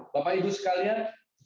bapak ibu sekalian